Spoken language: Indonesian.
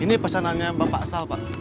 ini perasaannya bapak sal pak